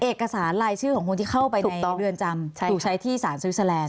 เอกสารอะไรชื่อของคนที่เข้าไปในเรือนจำถูกใช้ที่สารสวิสดิ์ซด้วยไหมคะ